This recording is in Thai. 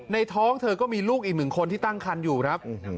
ท้องเธอก็มีลูกอีกหนึ่งคนที่ตั้งคันอยู่ครับ